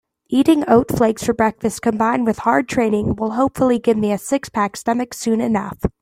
Eating oat flakes for breakfast combined with hard training will hopefully give me a six-pack stomach soon enough.